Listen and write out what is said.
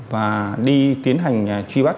và đi tiến hành truy bắt